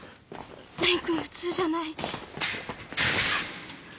蓮君普通じゃない。